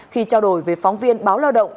khi trao đổi với phóng viên báo lao động